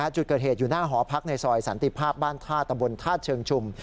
จุดเกิดเหตุอยู่หน้าหอพักในซอยสันติภาพบ้านท่าตำบลธาตุเชิงชุม